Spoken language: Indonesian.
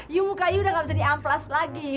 yu muka ayah udah nggak bisa di amplas lagi yu